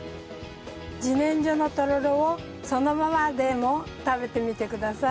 自然薯のとろろをそのままでも食べてみてください。